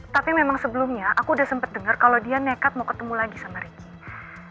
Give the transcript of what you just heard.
tapi memang sebelumnya aku udah sempet denger kalo dia nekat mau ketemu lagi sama aku